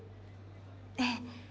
ええ。